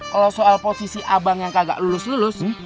kalau soal posisi abang yang kagak lulus lulus